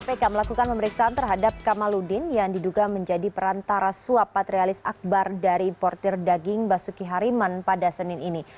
kpk melakukan pemeriksaan terhadap kamaludin yang diduga menjadi perantara suap patrialis akbar dari importir daging basuki hariman pada senin ini